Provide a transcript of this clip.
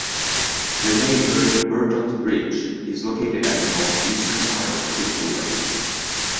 The neighborhood Burtons Bridge is located at the north-eastern side of Crystal Lake.